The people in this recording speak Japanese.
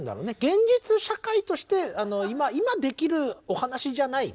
現実社会として今できるお話じゃないね。